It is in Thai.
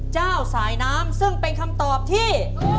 เจ้าสายน้ำซึ่งเป็นคำตอบที่